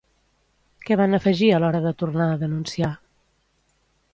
Què van afegir a l'hora de tornar a denunciar?